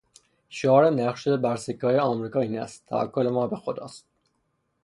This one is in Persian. شعار نقش شده بر سکههای امریکا این است: توکل ما به خداست.